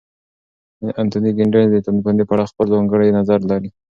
انتوني ګیدنز د ټولنپوهنې په اړه خپل ځانګړی نظر لري.